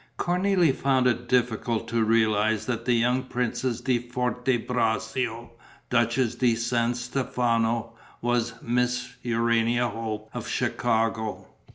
Cornélie found it difficult to realize that the young Princess di Forte Braccio, Duchess di San Stefano, was Miss Urania Hope of Chicago.